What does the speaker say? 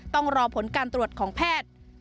ต้องรอผลการตรวจของแพทย์